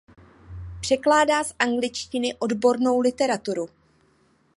Překládá z angličtiny odbornou literaturu.